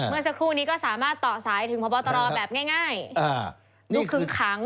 เมื่อสักครู่นี้ก็สามารถต่อสายถึงพบตรแบบง่าย